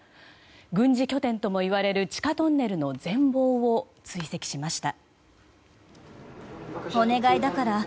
軍事拠点ともいわれる地下トンネルの全貌を追跡しました。